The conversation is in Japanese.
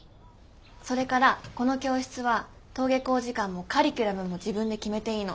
それからこの教室は登下校時間もカリキュラムも自分で決めていいの。